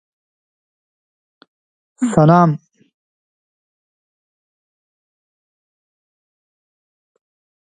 انګریز پرې چاړه کښېښودل سوه.